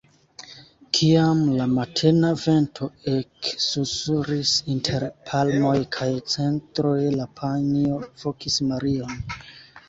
Kiam la matena vento eksusuris inter palmoj kaj cedroj, la panjo vokis Marion.